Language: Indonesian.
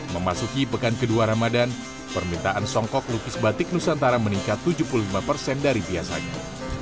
memasuki pekan kedua ramadan permintaan songkok lukis batik nusantara meningkat tujuh puluh lima persen dari biasanya